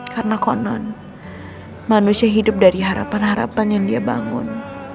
karena konon manusia hidup dari harapan harapan yang dia bangun